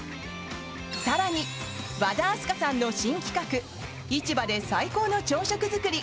更に、和田明日香さんの新企画市場で最高の朝食作り。